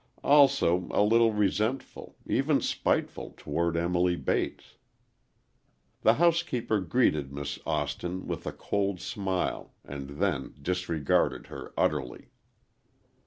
Also, a little resentful, even spiteful toward Emily Bates. The housekeeper greeted Miss Austin with a cold smile, and then disregarded her utterly.